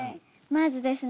まずですね